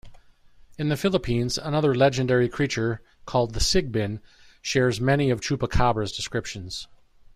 In the Philippines, another legendary creature called the Sigbin shares many of chupacabra's descriptions.